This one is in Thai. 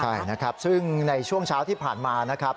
ใช่นะครับซึ่งในช่วงเช้าที่ผ่านมานะครับ